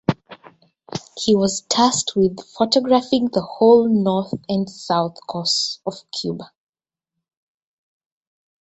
He was tasked with photographing the whole north and south coasts of Cuba.